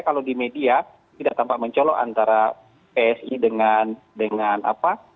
kalau di media tidak tampak mencolok antara psi dengan apa